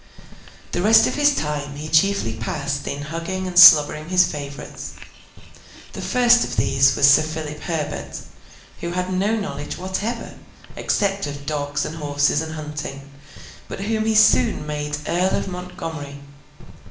The rest of his time he chiefly passed in hugging and slobbering his favourites. The first of these was Sir Philip Herbert, who had no knowledge whatever, except of dogs, and horses, and hunting, but whom he soon made Earl of Montgomery.